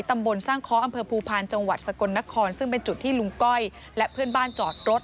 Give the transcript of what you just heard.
ตำบลสร้างเคาะอำเภอภูพาลจังหวัดสกลนครซึ่งเป็นจุดที่ลุงก้อยและเพื่อนบ้านจอดรถ